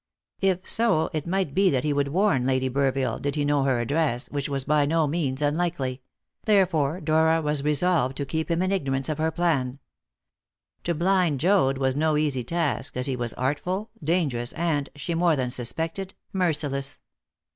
If so, it might be that he would warn Lady Burville, did he know her address, which was by no means unlikely; therefore Dora was resolved to keep him in ignorance of her plan. To blind Joad was no easy task, as he was artful, dangerous, and she more than suspected merciless.